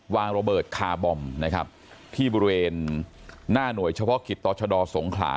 วางระเบิดคาร์บอมนะครับที่บริเวณหน้าหน่วยเฉพาะกิจต่อชะดอสงขลา